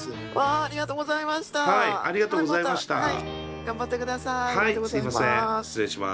ありがとうございます。